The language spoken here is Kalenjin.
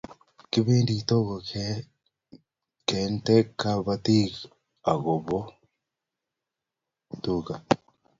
Kipend Togo kente kabatik ako ba tuka